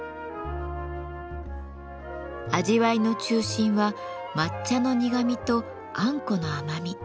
味わいの中心は抹茶の苦みとあんこの甘み。